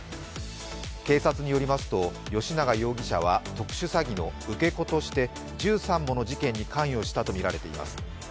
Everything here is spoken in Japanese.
警察によりますと吉永容疑者は特殊詐欺の受け子として１３もの事件に関与したとみられています。